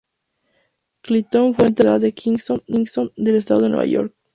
Clinton fue enterrado en la ciudad de Kingston del Estado de Nueva York.